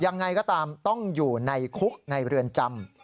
ยังไงก็ตามต้องอยู่ในคุกในเรือนจำ